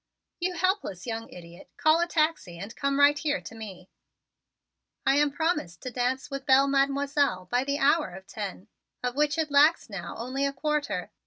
"You helpless young idiot, call a taxi and come right here to me." "I am promised to a dance with Mademoiselle Belle by the hour of ten, of which it lacks now only a quarter.